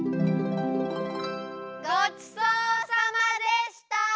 ごちそうさまでした！